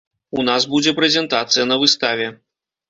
У нас будзе прэзентацыя на выставе.